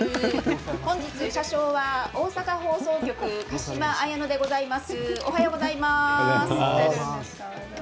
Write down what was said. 本日、車掌は大阪放送局の鹿島綾乃でございます。